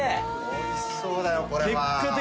おいしそうだよこれは。